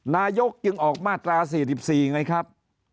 นายกจึงออกมาตรา๔๔ไงครับ